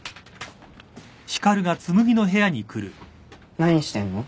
何してんの？